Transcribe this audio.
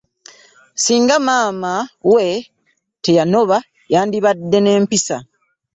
Singa maama we teyanoba yandibadde ne mpisa.